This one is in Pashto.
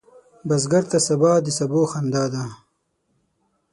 بزګر ته سبا د سبو خندا ده